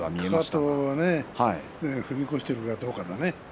かかとが踏み越しているかどうかだね。